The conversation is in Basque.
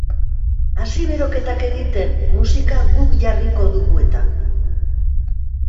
Hasi beroketak egiten, musika guk jarriko dugu eta!